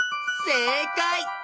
せいかい。